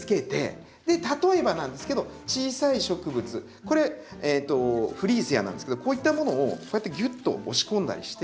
で例えばなんですけど小さい植物これフリーセアなんですけどこういったものをこうやってギュッと押し込んだりして。